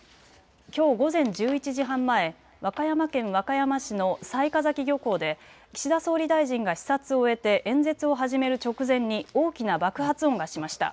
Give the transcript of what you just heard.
きょう午前１１時半前、和歌山県和歌山市の雑賀崎漁港で岸田総理大臣が視察を終えて演説を始める直前に大きな爆発音がしました。